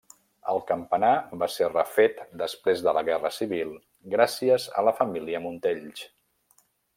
El campanar va ser refet després de la Guerra Civil gràcies a la família Montells.